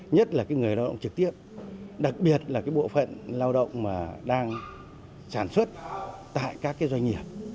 nhất là người lao động trực tiếp đặc biệt là cái bộ phận lao động mà đang sản xuất tại các doanh nghiệp